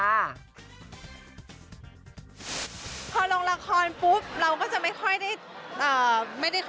พอลงละครปุ๊บเราก็จะไม่ค่อยได้